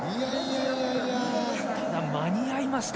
ただ、間に合いました。